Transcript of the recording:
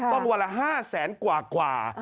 วันละ๕แสนกว่า